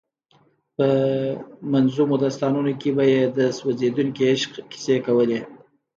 په منظومو داستانونو کې به یې د سوځېدونکي عشق کیسې کولې.